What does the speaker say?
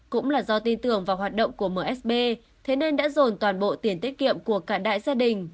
cũng là do tin tưởng vào hoạt động của msb thế nên đã dồn toàn bộ tiền tiết kiệm của cả đại gia đình